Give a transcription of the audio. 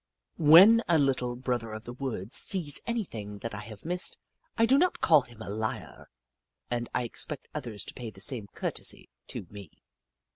When a Lit tle Brother of the Woods sees anything that I have missed, I do not call him a liar, and I expect others to pay the same courtesy to me.